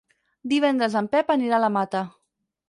Divendres en Pep anirà a la Mata.